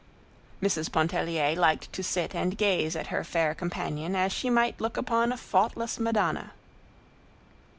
Mrs. Pontellier liked to sit and gaze at her fair companion as she might look upon a faultless Madonna.